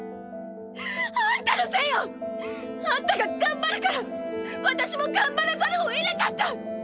あんたのせいよ！あんたが頑張るから私も頑張らざるをえなかった！